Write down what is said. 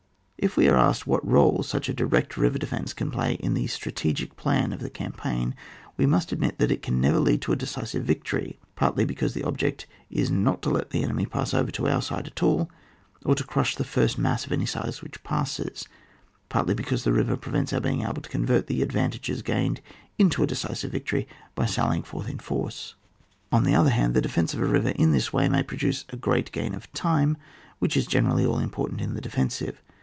If we are asked what role such a direct river defence can play in the strategic plan of the campaign, we must admit that it can never lead to a decisive vic tory, partly because the object is not tp let the enemy pass over to our side at aU, or to crush the fbrst mass of any size » which passes; partly because the river prevents our being able to convert the advantages gained into a decisive victory by sallying forth in force. On the other hand, the defence of a river in this way may produce a great gain of time, which is generally aU im portant for the defensive.